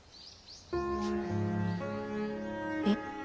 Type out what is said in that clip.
えっ。